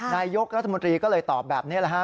นายกรัฐมนตรีก็เลยตอบแบบนี้แหละฮะ